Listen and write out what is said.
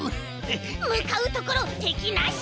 むかうところてきなし！